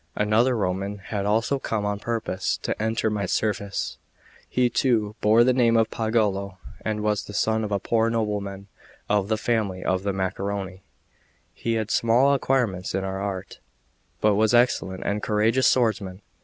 Another Roman had also come on purpose to enter my service; he too bore the name of Pagolo, and was the son of a poor nobleman of the family of the Macaroni; he had small acquirements in our art, but was an excellent and courageous swordsman.